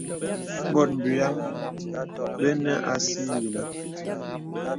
Bòt bùyaŋ bənə así yìnə.